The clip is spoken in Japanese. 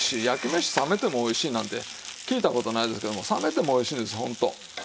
焼き飯冷めてもおいしいなんて聞いた事ないですけども冷めてもおいしいんですホント。